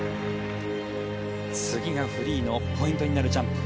次がフリーのポイントになるジャンプ。